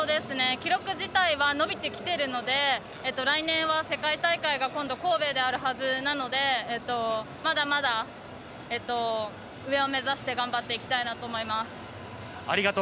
記録自体は伸びてきているので来年は世界大会が今度、神戸であるはずなのでまだまだ上を目指して頑張っていきたいと思います。